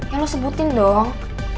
ya lo sebutin dong